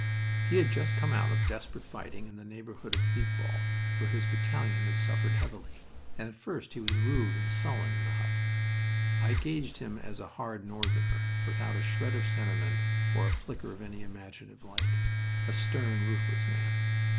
He had just come out of desperate fighting in the neighborhood of Thiepval, where his battalion had suffered heavily, and at first he was rude and sullen in the hut. I gaged him as a hard Northerner, without a shred of sentiment or the flicker of any imaginative light; a stern, ruthless man.